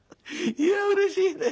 いやうれしいね」。